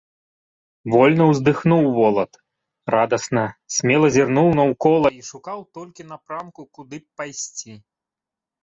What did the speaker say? Вольна ўздыхнуў волат, радасна, смела зірнуў наўкола і шукаў толькі напрамку, куды б пайсці.